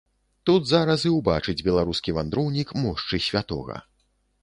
Тут зараз і ўбачыць беларускі вандроўнік мошчы святога.